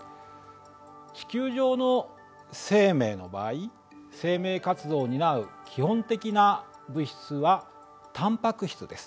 地球上の生命の場合生命活動を担う基本的な物質はタンパク質です。